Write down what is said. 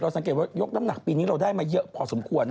สังเกตว่ายกน้ำหนักปีนี้เราได้มาเยอะพอสมควร